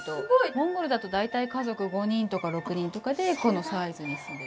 モンゴルだと大体家族５人とか６人とかでこのサイズに住んでるんです。